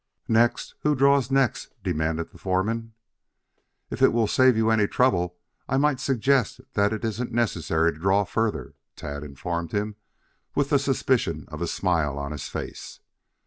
"Next who draws next?" demanded the foreman. "If it will save you any trouble, I might suggest that it isn't necessary to draw further," Tad informed him, with the suspicion of a smile on his face.